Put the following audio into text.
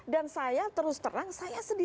dan saya terus terang saya sedih